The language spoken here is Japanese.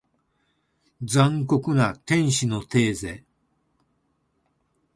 残酷な天使のテーゼ